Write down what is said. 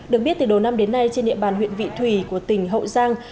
được biết từ đầu năm đến nay trên địa bàn huyện vị thủy của tỉnh hậu giang